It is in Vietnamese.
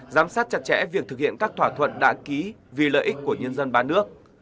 giám sát chặt chẽ việc thực hiện các thỏa thuận đã ký vì lợi ích của nhân dân ba nước